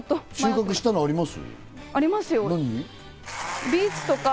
収穫したものありますか？